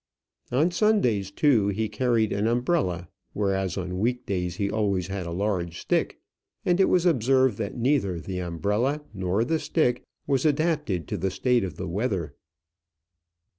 On Sundays, too, he carried an umbrella, whereas on week days he always had a large stick; and it was observed that neither the umbrella nor the stick was adapted to the state of the weather.